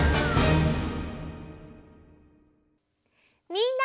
みんな！